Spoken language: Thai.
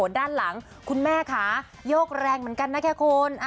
ด้านหลังคุณแม่ค่ะโยกแรงเหมือนกันนะแค่คุณ